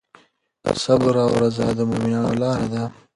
صبر او رضا د مؤمنانو لاره ده.